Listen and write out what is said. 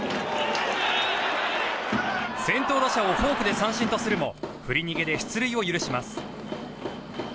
先頭打者をフォークで三振とするも振り逃げで出塁を許します。